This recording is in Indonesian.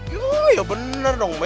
iya bener dong be